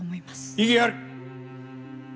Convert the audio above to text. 異議あり！